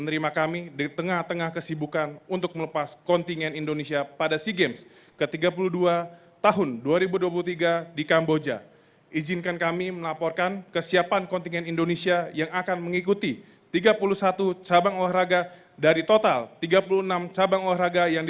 raya kebangsaan indonesia raya